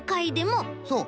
そう。